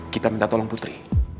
kita minta tolong putri